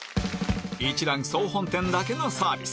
一蘭総本店だけのサービス